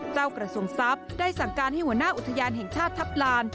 กระทรวงทรัพย์ได้สั่งการให้หัวหน้าอุทยานแห่งชาติทัพลาน